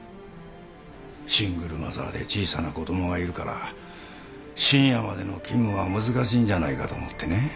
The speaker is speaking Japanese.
シングルマザーで小さな子供がいるから深夜までの勤務が難しいんじゃないかと思ってね。